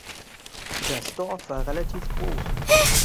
Das Dorf war relativ groß.